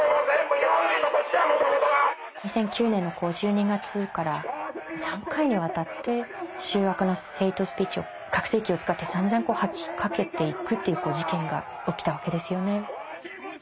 ２００９年の１２月から３回にわたって醜悪なヘイトスピーチを拡声機を使ってさんざん吐きかけていくっていう事件が起きたわけですよね。